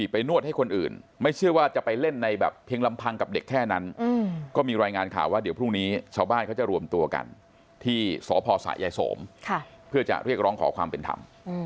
เพื่อจะเรียกร้องขอความเป็นธรรม